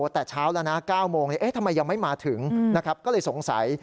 แต่เช้าแล้วนะ๙โมงทำไมยังไม่มาถึงนะครับก็เลยสงสัย